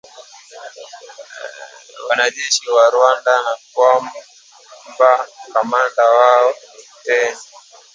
wanajeshi wa Rwanda na kwamba kamanda wao ni Luteni